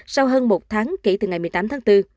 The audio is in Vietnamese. sau hơn một tháng kể từ ngày một mươi tám tháng bốn